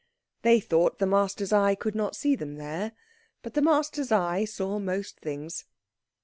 They thought the master's eye could not see them there, but the master's eye saw most things.